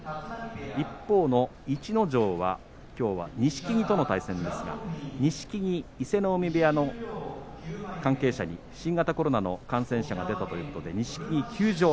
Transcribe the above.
一方の逸ノ城はきょうは錦木との対戦ですが錦木、伊勢ノ海部屋の関係者に新型コロナの感染者が出たということで錦木、休場。